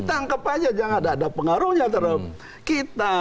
tangkap aja jangan ada ada pengaruhnya